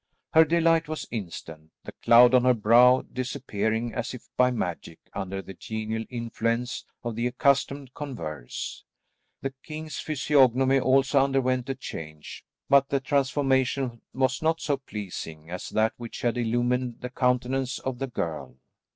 Her delight was instant, the cloud on her brow disappearing as if by magic under the genial influence of the accustomed converse. The king's physiognomy also underwent a change but the transformation was not so pleasing as that which had illumined the countenance of the girl.